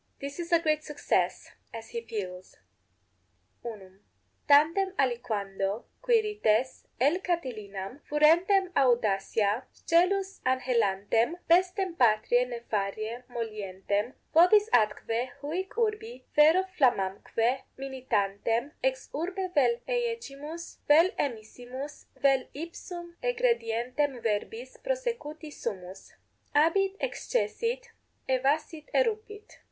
This is a great success, as he feels._ =1.= Tandem aliquando, Quirites, L. Catilinam, furentem audacia, 1 scelus anhelantem, pestem patriae nefarie molientem, vobis atque huic urbi ferro flammaque minitantem, ex urbe vel eiecimus vel emisimus vel ipsum egredientem verbis prosecuti sumus. Abiit excessit, evasit erupit.